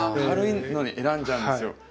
軽いの選んじゃうんですよ。